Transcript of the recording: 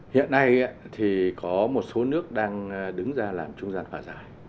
hiện nay thì có một số nước đang đứng ra làm trung giàn hỏa giải